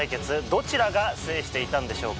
どちらが制していたんでしょうか？